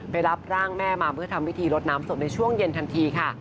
รับร่างแม่มาเพื่อทำพิธีลดน้ำศพในช่วงเย็นทันทีค่ะ